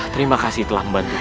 terima kasih telah membantu